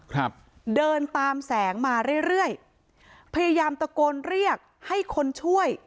ครับเดินตามแสงมาเรื่อยเรื่อยพยายามตะโกนเรียกให้คนช่วย